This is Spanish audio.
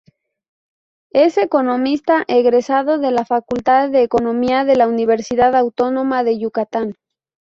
Es economista egresado de la Facultad de Economía de la Universidad Autónoma de Yucatán.